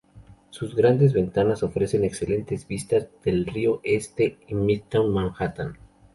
Sus grandes ventanas ofrecen excelentes vistas del río Este y Midtown Manhattan.